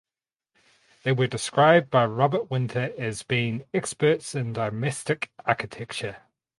They were described by Robert Winter as being experts in domestic architecture.